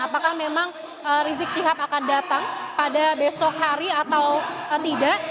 apakah memang rizik syihab akan datang pada besok hari atau tidak